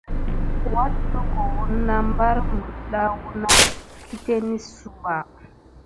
Wat-tokowəni na ɓare miɖa wuya kiɗi net sayuɓa.